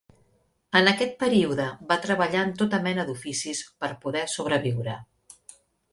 En aquest període va treballar en tota mena d'oficis per poder sobreviure.